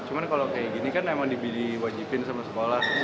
cuman kalau kayak gini kan emang dibidik wajibin sama sekolah